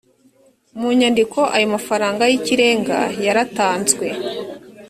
mu nyandiko ayo mafaranga y ikirenga yaratanzwe